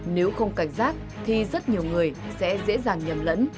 nếu không cảnh giác thì rất nhiều người sẽ dễ dàng nhầm lẫn